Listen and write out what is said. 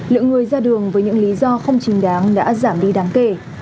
lượng người ra đường với những lý do không chính đáng đã giảm đi đáng kể